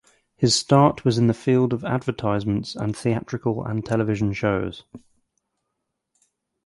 His start was in the field of advertisements and theatrical and television shows.